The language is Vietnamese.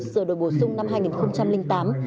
sửa đổi bổ sung năm hai nghìn tám